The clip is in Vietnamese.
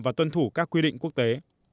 và tuân thủ các quy định quốc tế